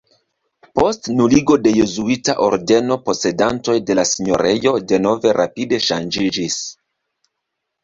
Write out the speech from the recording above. Post nuligo de jezuita ordeno posedantoj de la sinjorejo denove rapide ŝanĝiĝis.